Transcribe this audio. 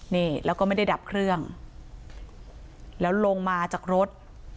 นี่แล้วก็ไม่ได้ดับเครื่องแล้วลงมาจากรถ